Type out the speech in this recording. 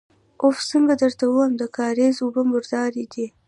اوف! څنګه درته ووايم، د کارېزه اوبه مردارې دي.